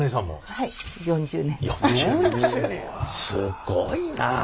すごいな。